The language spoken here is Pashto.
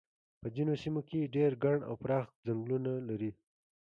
په ځینو سیمو کې ډېر ګڼ او پراخ څنګلونه لري.